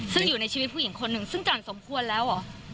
ซึ่งอยู่ในชีวิตผู้หญิงคนหนึ่งซึ่งจันสมควรแล้วเหรอ